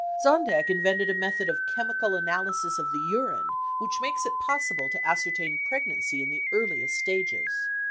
55 Zondek invented a method of chemical I analysis of the urine which makes it possible to ascertain pregnancy in the earliest stages.